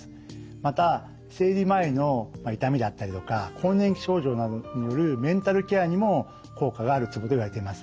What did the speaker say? また生理前の痛みだったりとか更年期症状などによるメンタルケアにも効果があるツボといわれています。